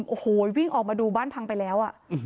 โอ้โหวิ่งออกมาดูบ้านพังไปแล้ว